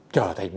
trở thành một